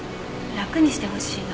楽にしてほしいの。